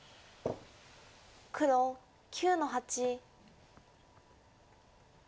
黒９の八。